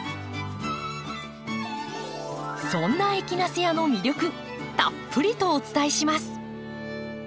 そんなエキナセアの魅力たっぷりとお伝えします。